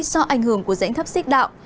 do ảnh hưởng của dãnh thấp xích đạo